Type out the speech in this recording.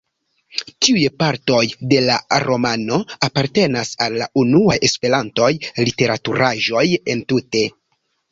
Tiuj partoj de la romano apartenas al la unuaj Esperanto-literaturaĵoj entute.